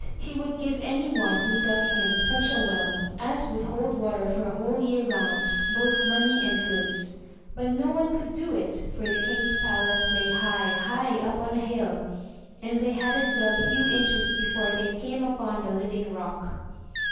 MY BOOK HOUSE he would give any one who could dig him such a well as would hold water for a whole year round, both money and goods; but no one could do it, for the King's palace lay high, high up on a hill, and they hadn't dug a few inches before they came upon the living rock.